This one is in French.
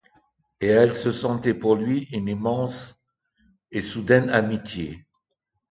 et elle se sentait pour lui une immense et soudaine amitié.